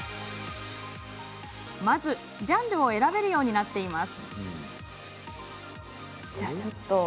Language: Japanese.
まず、ジャンルを選べるようになっています。